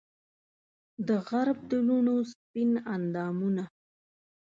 دغرب د لوڼو سپین اندامونه